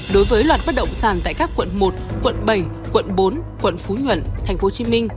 đối với loạt bất động sản tại các quận một quận bảy quận bốn quận phú nhuận tp hcm